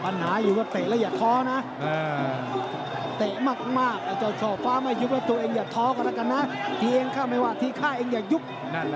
ถ้ายุบมาอันเดียบน้อย